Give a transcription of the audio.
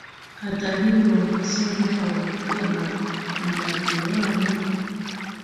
Hata hivyo Wamasai nao walikuwa na mbabe wao